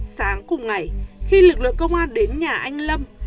sáng cùng ngày khi lực lượng công an đến nhà anh lâm